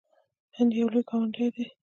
هند یو لوی ګاونډی دی.